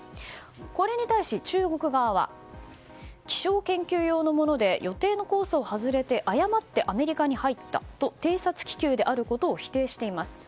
これに対し中国側は気象研究用のもので予定のコースを外れて誤ってアメリカに入ったと偵察気球であることを否定しています。